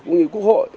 cũng như quốc hội